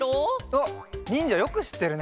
あっにんじゃよくしってるね。